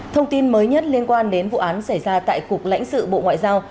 thông tin mới nhất liên quan đến vụ án xảy ra tại cục lãnh sự bộ ngoại giao